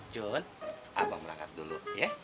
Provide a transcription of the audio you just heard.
john abang berangkat dulu ya